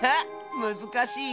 むずかしい？